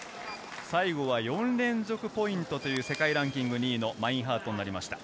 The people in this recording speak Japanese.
最後は４連続ポイントという世界ランキング２位のマインハートになりました。